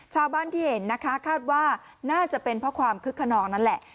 ชาวบ้านที่เห็นนะคะคาดว่าน่าจะเป็นเพราะความคึกขนองนั่นแหละ